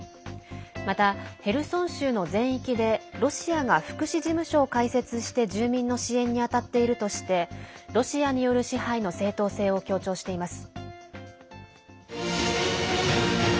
また、ヘルソン州の全域でロシアが福祉事務所を開設して住民の支援に当たっているとしてロシアによる支配の正当性を強調しています。